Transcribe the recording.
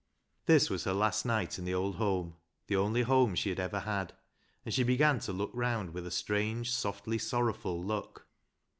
This was her last night in the old home, the only home she had ever had, and she began to look round with a strange, softly sorrowful look.